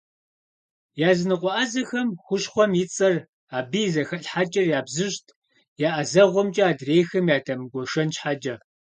Языныкъуэ ӏэзэхэм хущхъуэм и цӏэр, абы и зэхэлъхьэкӏэр ябзыщӏт, я ӏэзэгъуэмкӏэ адрейхэм ядэмыгуэшэн щхьэкӏэ.